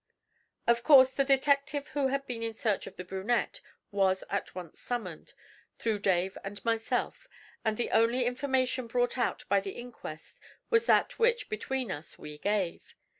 Of course the detective who had been in search of the brunette was at once summoned, through Dave and myself, and the only information brought out by the inquest was that which, between us, we gave.